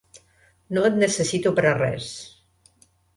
No et necessito per a res.